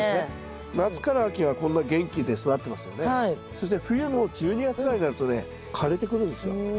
そして冬の１２月ぐらいになるとね枯れてくるんですよ。